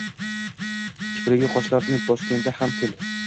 Kiprigu qoshlarni bosganda ham kul